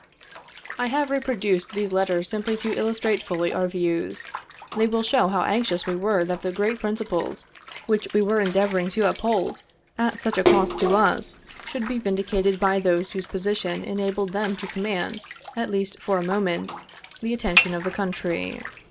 I have reproduced these letters simply to illustrate fully our views. They will show how anxious we were that the great principles which we were endeavoring to uphold, at such a cost to us, should he vindicated by those whose position enabled them to command, at least for a moment, the attention of the country.